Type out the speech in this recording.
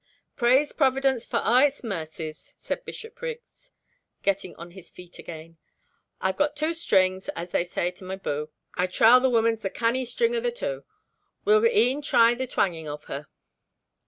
"Praise Providence for a' its mercies!" said Bishopriggs, getting on his feet again. "I've got twa strings, as they say, to my boo. I trow the woman's the canny string o' the twa and we'll een try the twanging of her."